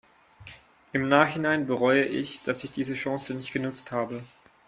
Im Nachhinein bereue ich, dass ich diese Chance nicht genutzt habe.